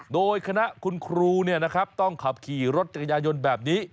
โดยคณะคุณครูต้องขับขี่รถจักรยานยนต์แบบนี้